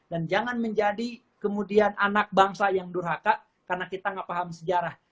dan jangan menjadi kemudian anak bangsa yang durhaka karena kita tidak paham sejarah